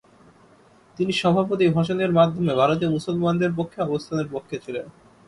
তিনি সভাপতি ভাষণের মাধ্যমে ভারতীয় মুসলমানদের পক্ষে অবস্থানের পক্ষে ছিলেন।